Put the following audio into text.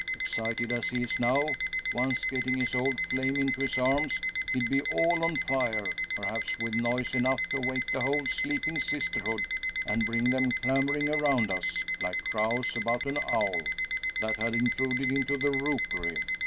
Excited as he is now, once getting his old flame into his arms he'd be all on fire perhaps with noise enough to awake the whole sleeping sisterhood, and bring them clamouring around us, like crows about an owl, that had intruded into the rookery.